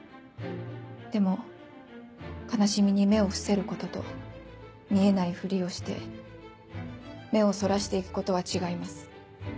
でも悲しみに目を伏せることと見えないフリをして目をそらしていくことは違います。